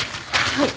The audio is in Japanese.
はい。